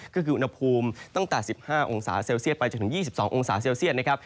ก็คืออุณหภูมิตั้งแต่๑๕องศาเซลเซียตไปจนถึง๒๒องศาเซลเซียตนะครับ